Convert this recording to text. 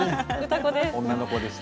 歌子です。